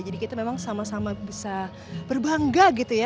jadi kita memang sama sama bisa berbangga gitu ya